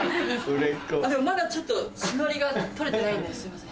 でもまだちょっと血のりが取れてないんですいません。